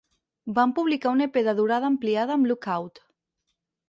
Van publicar un EP de durada ampliada amb Lookout!